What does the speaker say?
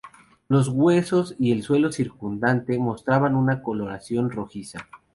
Los huesos y el suelo circundante mostraban una coloración rojiza.